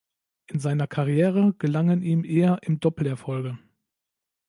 In seiner Karriere gelangen ihm eher im Doppel Erfolge.